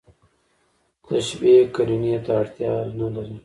تشبېه قرينې ته اړتیا نه لري.